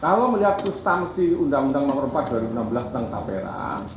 kalau melihat substansi undang undang nomor empat dua ribu enam belas tentang tapera